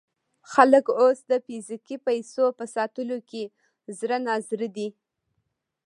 خلک اوس د فزیکي پیسو په ساتلو کې زړه نا زړه دي.